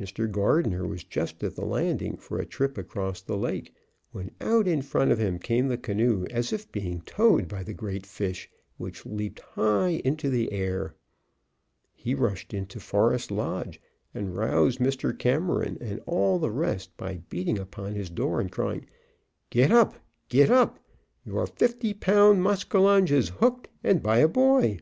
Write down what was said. Mr. Gardner was just at the landing for a trip across the lake, when out in front of him came the canoe as if being towed by the great fish, which leaped high into the air. He rushed into Forest Lodge and roused Mr. Cameron and all the rest by beating upon his door and crying, "Get up! Get up! Your fifty pound maskinonge is hooked, and by a boy!"